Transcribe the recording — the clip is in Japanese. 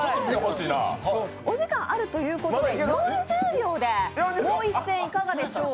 お時間あるということで４０秒でもう１戦いかがでしょうか？